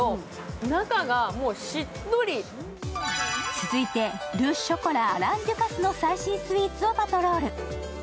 続いてル・ショコラ・アラン・デュカスの最新スイーツをパトロール。